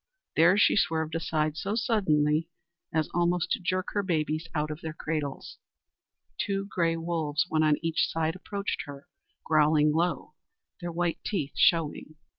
There she swerved aside so suddenly as almost to jerk her babies out of their cradles. Two gray wolves, one on each side, approached her, growling low their white teeth showing.